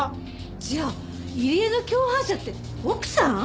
じゃあ入江の共犯者って奥さん！？